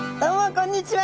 こんにちは。